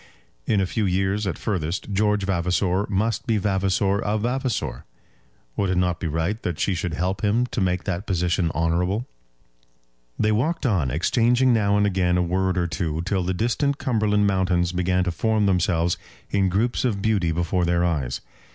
In a few years at furthest, George Vavasor must be Vavasor of Vavasor. Would it not be right that she should help him to make that position honourable? They walked on, exchanging now and again a word or two, till the distant Cumberland mountains began to form themselves in groups of beauty before their eyes.